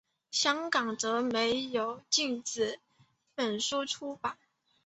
香港则并没有禁止本书出版。